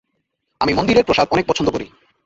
আমি মন্দিরের প্রসাদ অনেক পছন্দ করি।